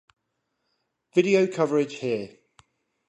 Video coverage here.